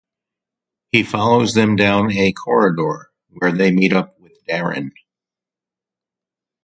He follows them down a corridor, where they meet up with Darin.